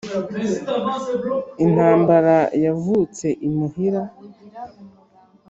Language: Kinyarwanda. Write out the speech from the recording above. Intambara yavutse i muhira.